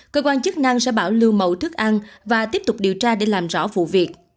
cơ quan chức năng sẽ bảo lưu mẫu thức ăn và tiếp tục điều tra để làm rõ vụ việc